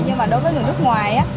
nhưng mà đối với người nước ngoài